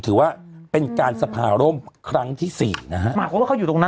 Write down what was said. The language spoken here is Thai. ถือว่าเป็นการสะพาร่มครั้งที่๔นะฮะ